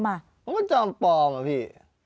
มันก็คือของปลอมพี่